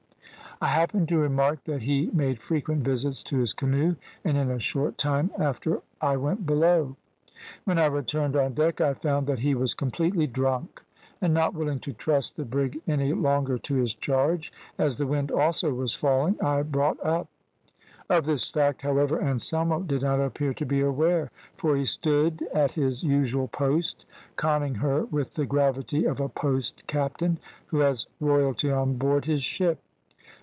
I happened to remark that he made frequent visits to his canoe, and in a short time after I went below. When I returned on deck I found that he was completely drunk, and not willing to trust the brig any longer to his charge, as the wind also was falling, I brought up; of this fact, however, Anselmo did not appear to be aware, for he stood at his usual post conning her with the gravity of a post captain who has royalty on board his ship.